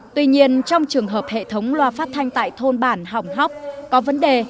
tuy nhiên trong trường hợp hệ thống loa phát thanh tại thôn bản hỏng hóc có vấn đề